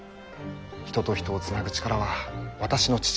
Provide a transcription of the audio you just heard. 人と人を繋ぐ力は私の父。